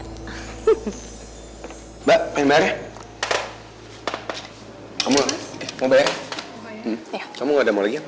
mbak pengen bayarnya kamu mau bayar kamu gak mau lagi ya